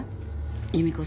夕美子さん